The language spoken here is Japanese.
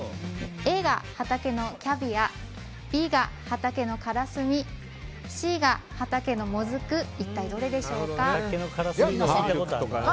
Ａが畑のキャビアＢが畑のカラスミＣが畑のモズク一体どれでしょうか。